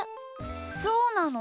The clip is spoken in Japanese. そうなの？